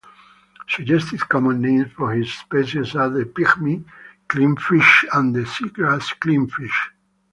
Suggested common names for this species are the "pygmy clingfish" and the "seagrass clingfish".